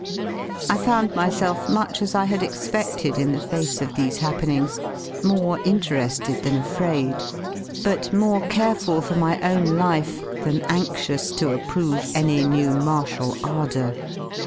I found myself much as I had expedled in the face of these happenkigs: morejriterei led.than afraid^ but more careful for my own lire than anxious to approve any new martial ardour.